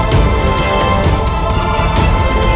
bapak dan ibu